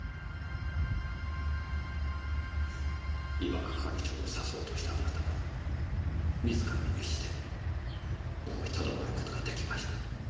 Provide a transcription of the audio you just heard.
伊庭係長を刺そうとしたあなたが自らの意志で思いとどまる事ができました。